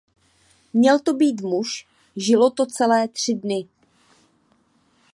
Měl to být muž, žilo to celé tři dny.